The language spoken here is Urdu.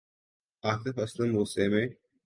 آطف اسلم غصے میں